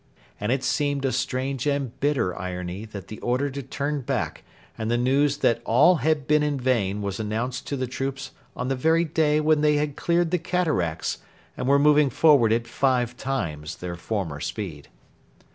And it seemed a strange and bitter irony that the order to turn back and the news that all had been in vain was announced to the troops on the very day when they had cleared the cataracts and were moving forward at five times their former speed.